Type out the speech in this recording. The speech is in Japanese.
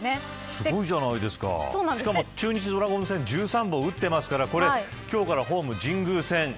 すごいじゃないですか、しかも、中日ドラゴンズ戦１３本打っていますから今日からホームの神宮戦。